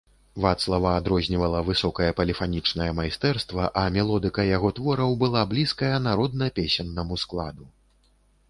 Вацлава адрознівала высокае поліфанічнае майстэрства, а мелодыка яго твораў была блізкая народна-песеннаму складу.